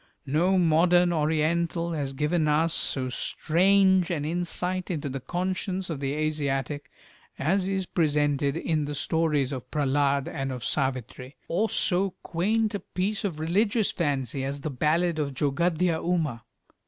No modern Oriental has given us so strange an insight into the conscience of the Asiatic as is presented in the stories of "Prehlad" and of "Savitri," or so quaint a piece of religious fancy as the ballad of "Jogadhya Uma."